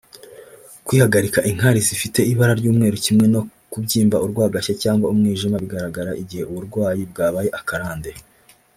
kwihagarika inkari zifite ibara ry’umweru kimwe no kubyimba urwagashya cyangwa umwijima bigaragara igihe uburwayi bwabaye akarande